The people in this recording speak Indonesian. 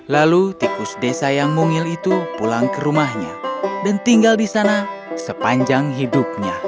lalu tikus desa yang mungil itu pulang ke rumahnya dan tinggal di sana sepanjang hidupnya